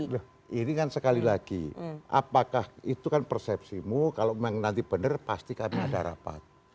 loh ini kan sekali lagi apakah itu kan persepsimu kalau nanti benar pasti kami ada rapat